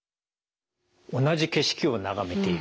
同じ景色を眺めている。